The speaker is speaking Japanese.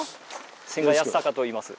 千賀康孝といいます。